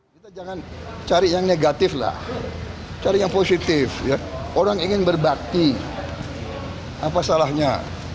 kita jangan cari yang negatif lah cari yang positif orang ingin berbakti apa salahnya